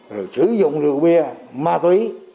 rồi sử dụng rượu bia ma túy